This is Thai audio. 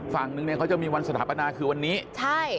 ฝั่งหนึ่งจะมีวันสถาบันดาคือวันนี้ใช่